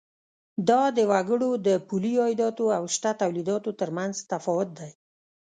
دا د وګړو د پولي عایداتو او شته تولیداتو تر مینځ تفاوت دی.